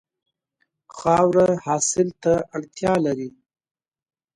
خاوره حاصل ته اړتیا لري.